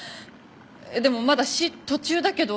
でもまだ詞途中だけど。